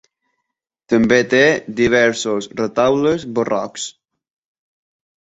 També té diversos retaules barrocs.